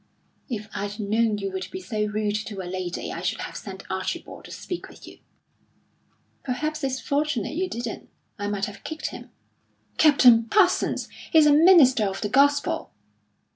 "If I'd known you would be so rude to a lady, I should have sent Archibald to speak with you." "Perhaps it's fortunate you didn't. I might have kicked him." "Captain Parsons, he's a minister of the gospel."